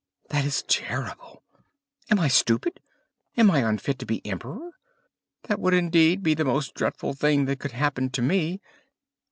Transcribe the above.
That is terrible! Am I stupid? Am I unfit to be emperor? That would indeed be the most dreadful thing that could happen to me."